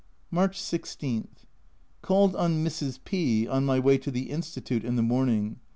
March 16. Called on Mrs. P on my way to the Institute in the morning.